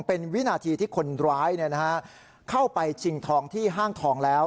เป็นวินาทีที่คนร้ายเข้าไปชิงทองที่ห้างทองแล้ว